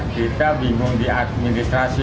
kita bingung di administrasi